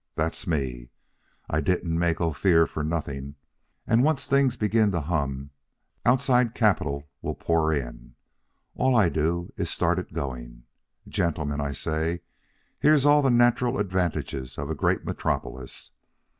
That's me. I didn't make Ophir for nothing. And once things begin to hum, outside capital will pour in. All I do is start it going. 'Gentlemen,' I say, 'here's all the natural advantages for a great metropolis.